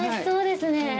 そうですね。